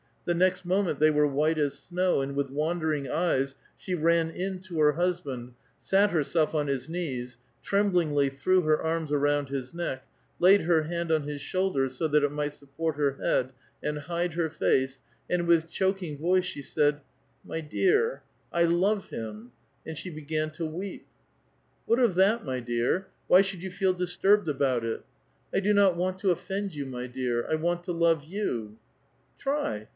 The next moment they were white as snow, and with wandering eyes she ran in to her has A VITAL QUESTION. 269 band, sat herself on his knees, tremblingly threw her arms aixiund his neck, laid her head on his sliouldcr, so that it miglit support her head and hide her face, and with choking voice she said, ^^My dear, I love him," and she began to weep. ^^ What of that, my dear? Why should you feel disturbed about it?" ^^ I do not want to offend you, my dear ; I want to love you." " Tr^